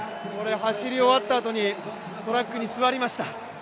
走り終わったあとにトラックに座りました。